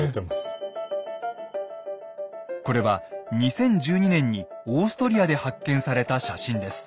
これは２０１２年にオーストリアで発見された写真です。